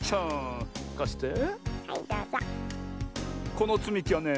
このつみきはね